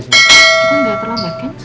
kita gak terlambat kan